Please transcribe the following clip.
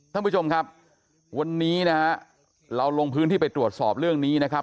ท่านผู้ชมครับวันนี้นะฮะเราลงพื้นที่ไปตรวจสอบเรื่องนี้นะครับ